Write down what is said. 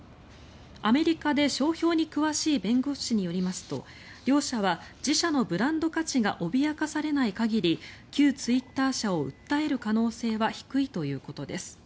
アメリカで商標に詳しい弁護士によりますと両社は、自社のブランド価値が脅かされない限り旧ツイッター社を訴える可能性は低いということです。